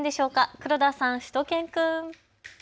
黒田さん、しゅと犬くん。